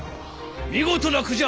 見事な句じゃ！